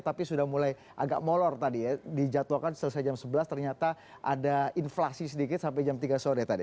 tapi sudah mulai agak molor tadi ya dijadwalkan selesai jam sebelas ternyata ada inflasi sedikit sampai jam tiga sore tadi